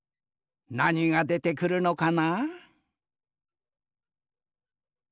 なにがでてくるのかな？